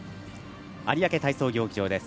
有明体操競技場です。